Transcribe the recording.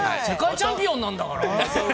世界チャンピオンなんだから。